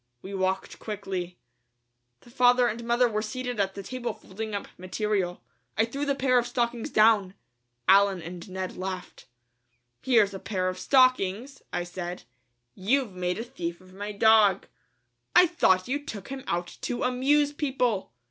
We walked quickly. The father and mother were seated at the table folding up material. I threw the pair of stockings down. Allen and Ned laughed. "Here's a pair of stockings," I said; "you've made a thief of my dog. I thought you took him out to amuse people."